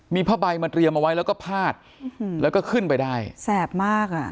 มีผ้าใบมาเตรียมเอาไว้แล้วก็พาดแล้วก็ขึ้นไปได้แสบมากอ่ะ